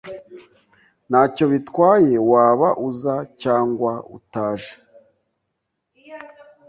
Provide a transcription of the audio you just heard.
Ntacyo bitwaye waba uza cyangwa utaje.